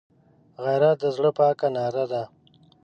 غیرت د زړه پاکه ناره ده